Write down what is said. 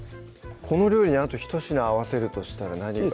この料理にあとひと品合わせるとしたら何が？